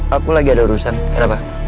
aku lagi ada urusan kenapa